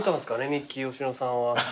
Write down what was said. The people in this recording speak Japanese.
ミッキー吉野さんは。